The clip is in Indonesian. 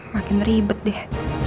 makin ribet deh